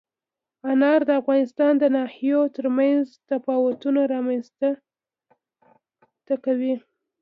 انار د افغانستان د ناحیو ترمنځ تفاوتونه رامنځ ته کوي.